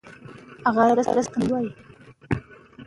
موږ باید په پښتو خبرې وکړو.